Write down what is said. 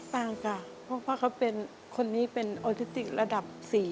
ต่างค่ะเพราะว่าเขาเป็นคนนี้เป็นออทิติกระดับ๔